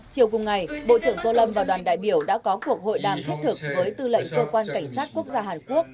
chiều cùng ngày bộ trưởng tô lâm và đoàn đại biểu đã có cuộc hội đàm thiết thực với tư lệnh cơ quan cảnh sát quốc gia hàn quốc